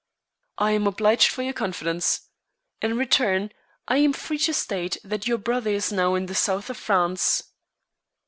"I am obliged for your confidence. In return, I am free to state that your brother is now in the South of France."